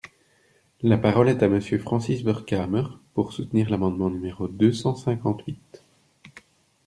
La parole est à Monsieur Francis Vercamer, pour soutenir l’amendement numéro deux cent cinquante-huit.